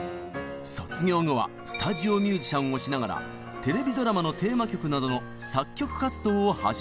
卒業後はスタジオミュージシャンをしながらテレビドラマのテーマ曲などの作曲活動を始めるのです。